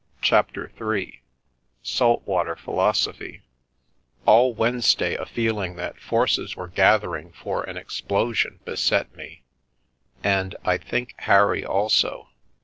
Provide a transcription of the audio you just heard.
CHAPTER III SALT WATER PHILOSOPHY ALL Wednesday a feeling that forces were gathering for an explosion beset me, and, I think, Harry also.